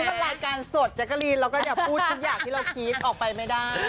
เป็นรายการสดแจ๊กกะลีนเราก็อย่าพูดทุกอย่างที่เราคิดออกไปไม่ได้